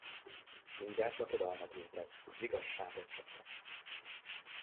Mindjárt lakodalmat ültek, vigasságot csaptak.